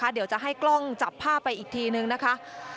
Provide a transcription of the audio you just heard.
เดี๋ยวจะให้กล้องจับภาพไปอีกทีนึงนะคะ